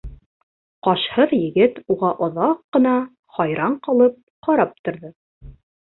Ҡашһыҙ егет уға оҙаҡ ҡына хайран ҡалып ҡарап торҙо.